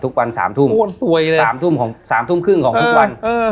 ทุกวันสามทุ่มโอ้ยสวยเลยสามทุ่มของสามทุ่มครึ่งของทุกวันเออ